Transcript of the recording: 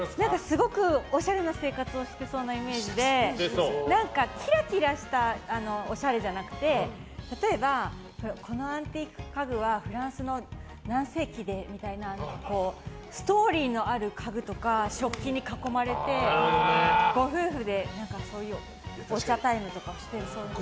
すごくおしゃれな生活をしてそうなイメージでキラキラしたおしゃれじゃなくて例えば、このアンティーク家具はフランスの何世紀でみたいなストーリーのある家具とか食器に囲まれて、ご夫婦でそういうお茶タイムとかしてそうな。